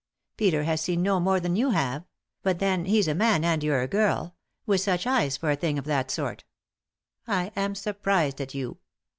Peter has seen no more than you have ; but then he's a man and you're a girl — with such eyes for a thing ot that sort I am surprised at you.